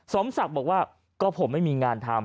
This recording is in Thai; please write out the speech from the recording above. สมศักดิ์บอกว่าก็ผมไม่มีงานทำ